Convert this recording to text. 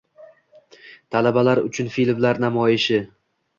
Talabalar uchun filmlar namoyishi